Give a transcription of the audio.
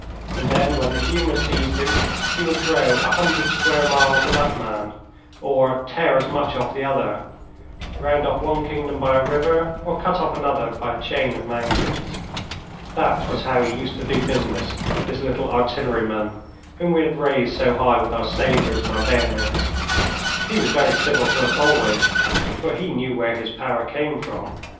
And then, when the humour seized him, he would throw a hundred square miles to that man, or tear as much off the other, round off one kingdom by a river, or cut off another by a chain of mountains. That was how he used to do business, this little artilleryman, whom we had raised so high with our sabres and our bayonets. He was very civil to us always, for he knew where his power came from.